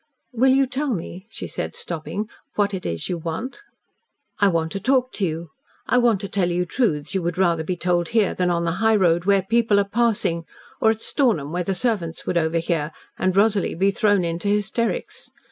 "Will you tell me," she said, stopping, "what it is you want?" "I want to talk to you. I want to tell you truths you would rather be told here than on the high road, where people are passing or at Stornham, where the servants would overhear and Rosalie be thrown into hysterics.